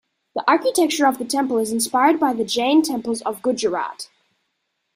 The architecture of the temple is inspired by the Jain temples of Gujarat.